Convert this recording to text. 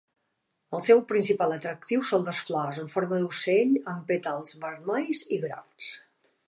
El seu principal atractiu són les flors en forma d'ocell, amb pètals vermells i grocs.